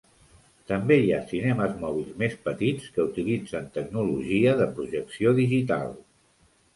També hi ha cinemes mòbils més petits que utilitzen tecnologia de projecció digital.